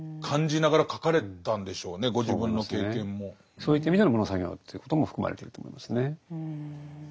そういった意味での「喪の作業」ということも含まれてると思いますね。